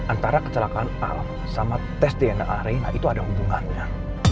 antara kecelakaan alam sama tes dna arena itu ada hubungannya